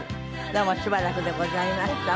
どうもしばらくでございました。